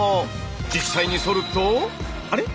実際にそるとあれ？